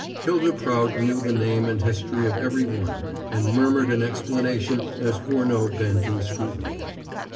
Hylda Prout knew the name and history of every one, and murmured an explanation as Furneaux bent in scrutiny.